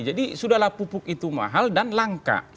jadi sudahlah pupuk itu mahal dan langka